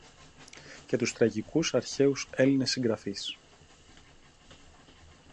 και τους τραγικούς αρχαίους Έλληνες συγγραφείς.